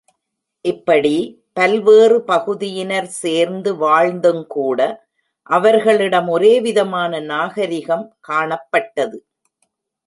இப்படி, பல்வேறு பகுதியினர் சேர்ந்து வாழ்ந்துங்கூட அவர்களிடம் ஒரே விதமான நாகரிகம் காணப்பட்டது.